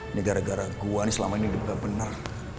ini gara gara gue nih selama ini hidup gak bener